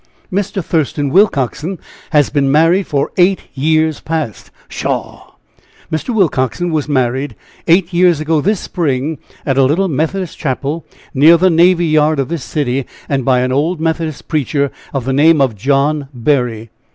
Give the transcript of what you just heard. "Mr. Thurston Willcoxen has been married for eight years past." "Pshaw!" "Mr. Willcoxen was married eight years ago this spring at a little Methodist chapel near the navy yard of this city, and by an old Methodist preacher, of the name of John Berry."